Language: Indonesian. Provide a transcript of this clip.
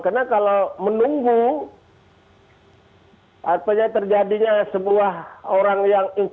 karena kalau menunggu artinya terjadinya sebuah orang yang infektif